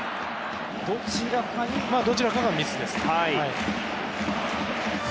どちらかがミスです。